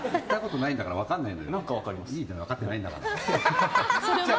いいよ、分かってないんだから。